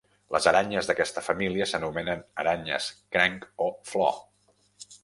Les aranyes d'aquesta família s'anomenen aranyes "cranc" o "flor".